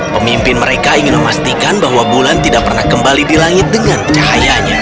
pemimpin mereka ingin memastikan bahwa bulan tidak pernah kembali di langit dengan cahayanya